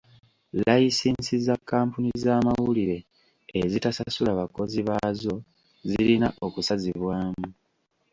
Layisinsi za kkampuni z'amawulire ezitasasula bakozi baazo zirina okusazibwamu.